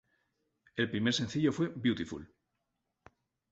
El primer sencillo fue "Beautiful".